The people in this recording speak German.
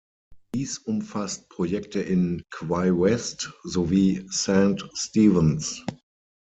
Dies umfasst Projekte in "Quai West" sowie "St Stephen’s".